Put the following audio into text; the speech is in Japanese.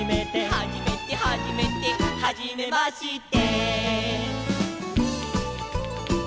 「はじめてはじめて」「はじめまして」